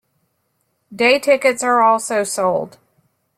Day tickets are also sold.